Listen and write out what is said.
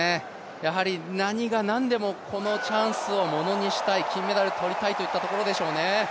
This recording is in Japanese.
やはり何が何でもこのチャンスをものにしたい、金メダル取りたいといったところでしょうね。